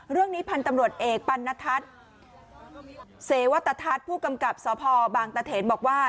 เรื่องนี้พันธุ์ตำรวจเอกปันนทัศน์เสวัตทัศน์ผู้กำกับสพบางตะเถนบอกว่า